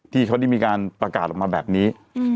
ที่เขาได้มีการประกาศออกมาแบบนี้